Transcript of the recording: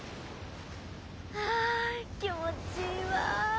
あ気持ちいいわ。